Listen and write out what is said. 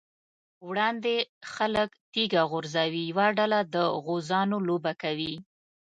وړاندې خلک تيږه غورځوي، یوه ډله د غوزانو لوبه کوي.